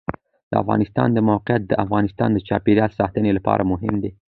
د افغانستان د موقعیت د افغانستان د چاپیریال ساتنې لپاره مهم دي.